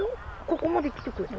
ここまで来てくれた。